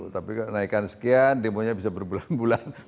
tapi kalau naikkan sekian demonya bisa berbulan bulan